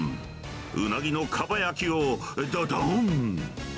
ウナギのかば焼きをどどーん。